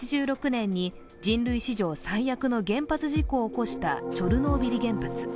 １９８６年に人類史上最悪の原発事故を起こしたチョルノービリ原発。